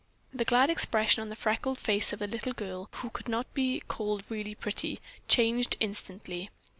The glad expression on the freckled face of the little girl, who could not be called really pretty, changed instantly.